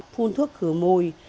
phun thuốc khử mùi